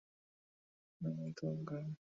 এবং পুলিশ অনুরোধ করলে তিনি তা প্রত্যাখ্যান করেন।